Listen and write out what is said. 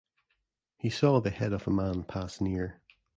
He saw the head of a man pass near.